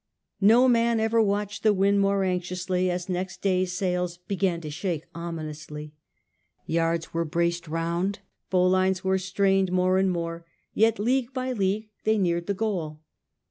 No man ever watched the wind more anxiously as next day sails began to shake ominously. Yards were braced round, bowlines were strained more and more, yet league by league they neared the goal.